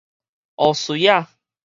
烏蚋仔